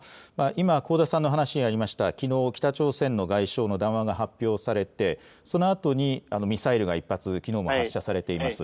今、香田さんの話にありました、きのう、北朝鮮の外相の談話が発表されて、そのあとにミサイルが１発、きのうも発射されています。